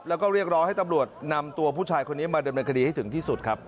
แล้วก็เรียกร้องให้ตำรวจนำตัวผู้ชายคนนี้มาดำเนินคดีให้ถึงที่สุดครับ